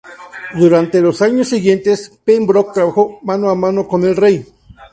Durante los años siguientes, Pembroke trabajó mano a mano con el rey.